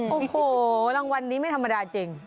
โอ้โหรางวัลนี้ไม่ธรรมดาจริง